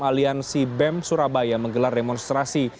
aliansi bem surabaya menggelar demonstrasi